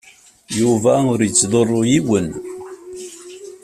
Yuba ur yettḍurru yiwen.